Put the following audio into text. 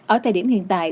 ở thời điểm hiện tại